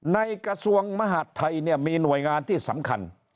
กระทรวงมหาดไทยเนี่ยมีหน่วยงานที่สำคัญ